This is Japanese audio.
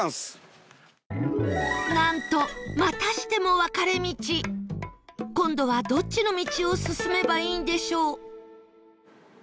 なんと今度はどっちの道を進めばいいんでしょう？